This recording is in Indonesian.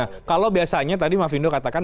nah kalau biasanya tadi ma findo katakan